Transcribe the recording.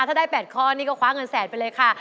ถ้าได้๘ข้อนี่ก็คว้าเงินแสนไปเลยค่ะ